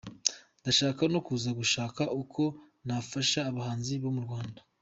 Ndashaka no kuza gushaka uko nafasha abahanzi bo mu Rwanda.